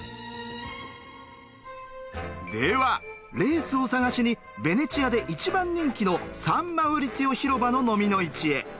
ではレースを探しにベネチアで一番人気のサンマウリツィオ広場のノミの市へ。